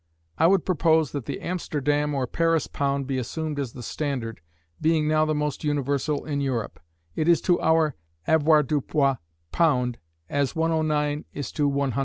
I would propose that the Amsterdam or Paris pound be assumed as the standard, being now the most universal in Europe: it is to our avoirdupois pound as 109 is to 100.